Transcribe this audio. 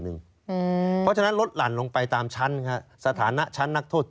เพราะฉะนั้นลดหลั่นลงไปตามชั้นสถานะชั้นนักโทษ